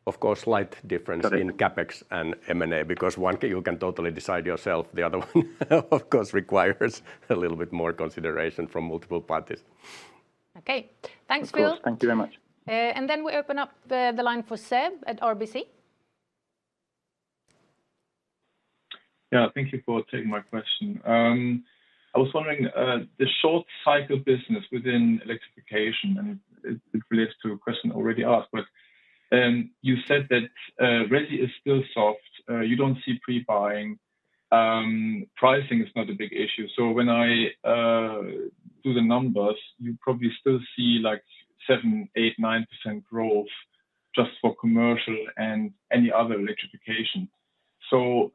Yeah. Of course, slight difference in CapEx and M&A because one you can totally decide yourself. The other one, of course, requires a little bit more consideration from multiple parties. Okay. Thanks, Phil. Thank you very much. We open up the line for Seb at RBC. Yeah, thank you for taking my question. I was wondering, the short cycle business within Electrification, and it relates to a question already asked, but you said that demand is still soft, you don't see pre-buying. Pricing is not a big issue. So when I do the numbers, you probably still see like 7, 8, 9% growth just for commercial and any other Electrification. So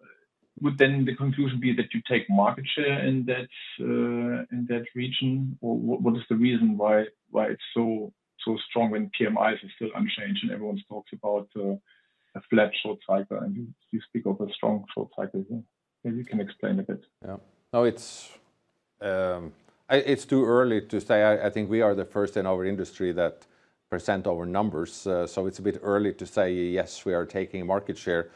would then the conclusion be that you take market share in that region? Or what is the reason why it's so strong when PMIs are still unchanged and everyone talks about a flat short cycle and you speak of a strong short cycle here? Maybe you can explain a bit. Yeah. No. It's too early to say. I think we are the first in our industry that present our numbers. So it's a bit early to say, yes, we are taking market share.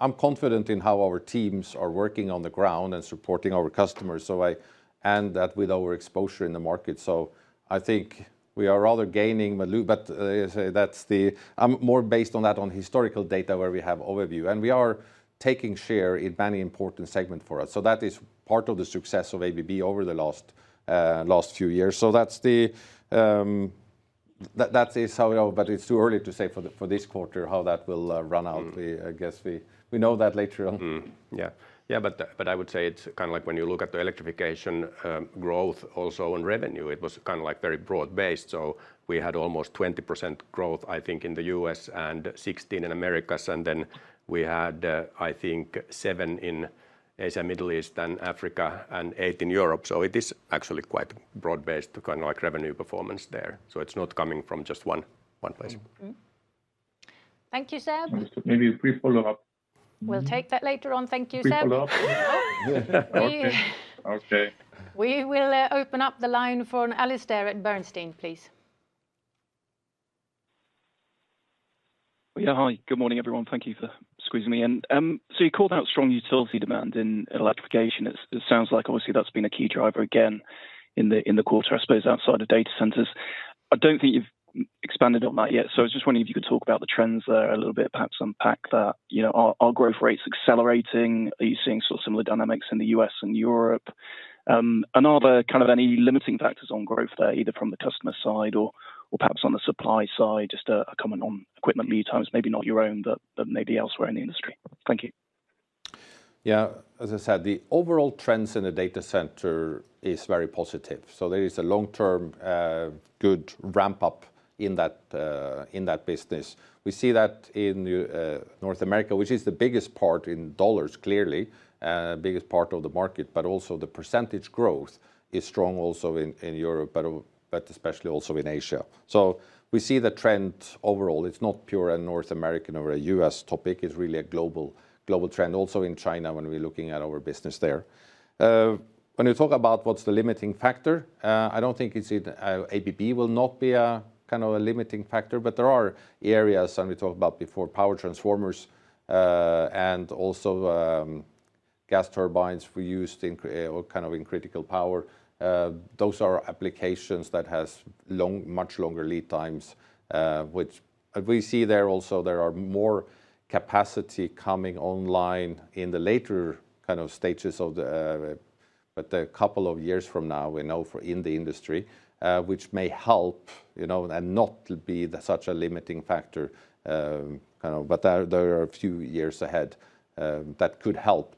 I'm confident in how our teams are working on the ground and supporting our customers. So I base that on our exposure in the market. So I think we are rather gaining, but that's, I'm more based on that on historical data where we have an overview. We are taking share in many important segments for us. So that is part of the success of ABB over the last few years. So that's, however, it's too early to say for this quarter how that will run out. I guess we know that later on. Yeah. Yeah, but I would say it's kind of like when you look at the Electrification growth also on revenue, it was kind of like very broad-based. So we had almost 20% growth, I think, in the U.S. and 16% in America and then we had, I think, 7% in Asia, Middle East, and Africa and 8% in Europe. So it is actually quite broad-based kind of like revenue performance there. So it's not coming from just one place. Thank you, Seb. Maybe a quick follow-up. We'll take that later on. Thank you, Seb. Quick follow-up. Okay. We will open up the line for Alasdair at Bernstein, please. Yeah, hi. Good morning, everyone. Thank you for squeezing me in. So you called out strong utility demand in Electrification. It sounds like obviously that's been a key driver again in the quarter, I suppose, outside of data centers. I don't think you've expanded on that yet. So I was just wondering if you could talk about the trends there a little bit, perhaps unpack that. Are growth rates accelerating? Are you seeing sort of similar dynamics in the U.S. and Europe? And are there kind of any limiting factors on growth there, either from the customer side or perhaps on the supply side? Just a comment on equipment lead times, maybe not your own, but maybe elsewhere in the industry. Thank you. Yeah, as I said, the overall trends in the data center is very positive. So there is a long-term good ramp-up in that business. We see that in North America, which is the biggest part in dollars, clearly, the biggest part of the market, but also the percentage growth is strong also in Europe, but especially also in Asia. So we see the trend overall. It's not pure a North American or a U.S. topic. It's really a global trend. Also in China, when we're looking at our business there. When you talk about what's the limiting factor, I don't think it's ABB will not be a kind of a limiting factor, but there are areas, and we talked about before, power transformers. And also gas turbines for use kind of in critical power. Those are applications that have much longer lead times. We see there also there are more capacity coming online in the later kind of stages of the, but a couple of years from now, we know in the industry, which may help and not be such a limiting factor. Kind of, but there are a few years ahead that could help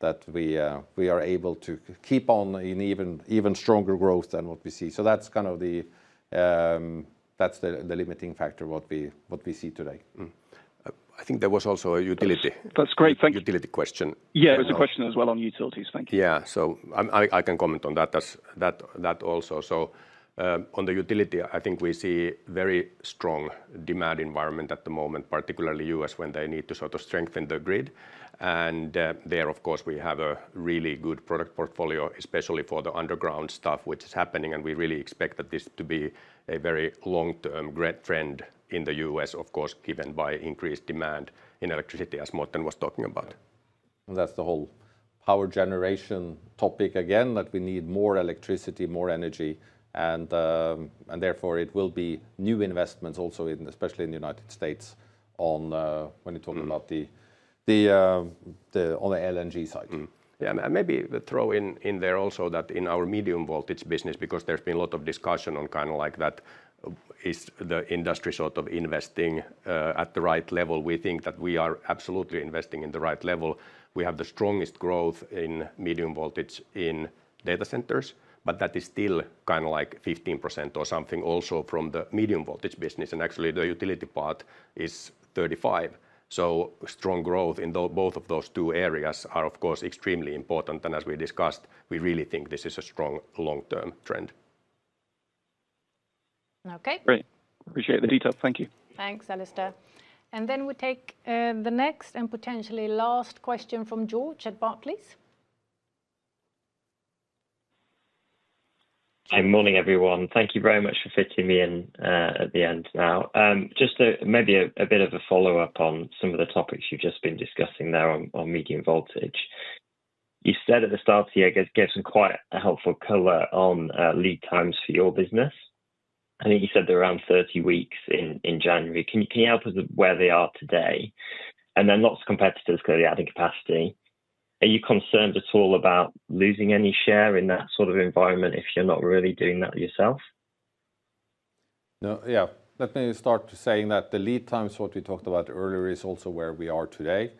that we are able to keep on in even stronger growth than what we see. So that's kind of the, that's the limiting factor, what we see today. I think there was also a utility. That's great. Thank you. Utility question. Yeah, there was a question as well on utilities. Thank you. Yeah, so I can comment on that. That also. So on the utility, I think we see a very strong demand environment at the moment, particularly U.S., when they need to sort of strengthen the grid. And there, of course, we have a really good product portfolio, especially for the underground stuff, which is happening and we really expect that this to be a very long-term trend in the U.S., of course, given by increased demand in electricity, as Morten was talking about. That's the whole power generation topic again, that we need more electricity, more energy and therefore it will be new investments also, especially in the United States, when you talk about the, on the LNG side. Yeah, and maybe throw in there also that in our medium voltage business, because there's been a lot of discussion on kind of like that. Is the industry sort of investing at the right level? We think that we are absolutely investing in the right level. We have the strongest growth in medium voltage in data centers, but that is still kind of like 15% or something also from the medium voltage business. And actually the utility part is 35%. So strong growth in both of those two areas are, of course, extremely important and as we discussed, we really think this is a strong long-term trend. Okay. Great. Appreciate the detail. Thank you. Thanks, Alistair, and then we take the next and potentially last question from George at Barclays, please. Good morning, everyone. Thank you very much for fitting me in at the end now. Just maybe a bit of a follow-up on some of the topics you've just been discussing there on medium voltage. You said at the start of the year, I guess, gave some quite a helpful color on lead times for your business. I think you said they're around 30 weeks in January. Can you help us with where they are today? And then lots of competitors clearly adding capacity. Are you concerned at all about losing any share in that sort of environment if you're not really doing that yourself? Yeah, let me start saying that the lead times, what we talked about earlier, is also where we are today,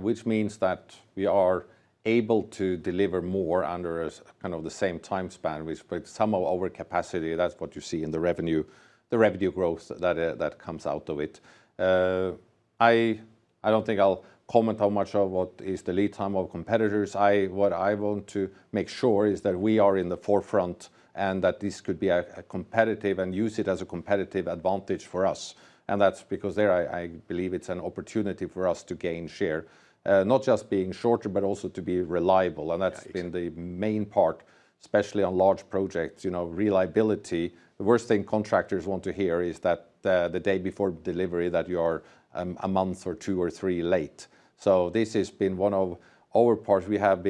which means that we are able to deliver more under kind of the same time span with some of our capacity. That's what you see in the revenue, the revenue growth that comes out of it. I don't think I'll comment on much of what is the lead time of competitors. What I want to make sure is that we are in the forefront and that this could be a competitive and use it as a competitive advantage for us. And that's because there, I believe it's an opportunity for us to gain share, not just being shorter, but also to be reliable and that's been the main part, especially on large projects, reliability. The worst thing contractors want to hear is that the day before delivery that you are a month or two or three late. So this has been one of our parts. We have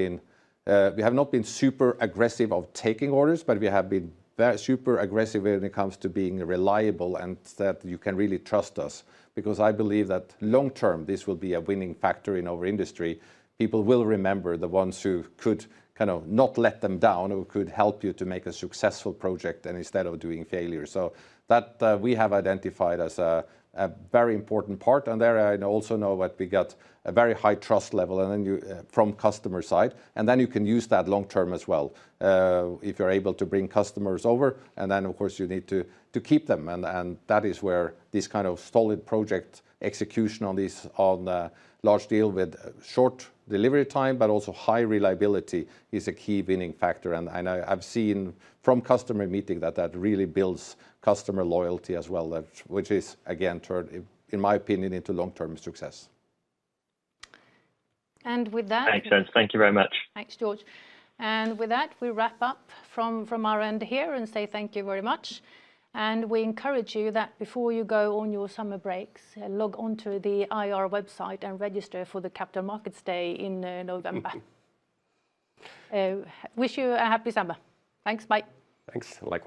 not been super aggressive of taking orders, but we have been super aggressive when it comes to being reliable and that you can really trust us. Because I believe that long-term, this will be a winning factor in our industry. People will remember the ones who could kind of not let them down or could help you to make a successful project and instead of doing failure. So that we have identified as a very important part and there I also know that we got a very high trust level from customer side, and then you can use that long-term as well. If you're able to bring customers over, and then of course you need to keep them and that is where this kind of solid project execution on these large deal with short delivery time, but also high reliability is a key winning factor. I've seen from customer meeting that that really builds customer loyalty as well, which is again, in my opinion, into long-term success. With that. Thanks, guys. Thank you very much. Thanks, George. And with that, we wrap up from our end here and say thank you very much. And we encourage you that before you go on your summer breaks, log onto the IR website and register for the Capital Markets Day in November. Wish you a happy summer. Thanks. Bye. Thanks. Likewise.